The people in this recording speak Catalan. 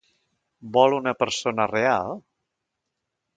Vol una persona real?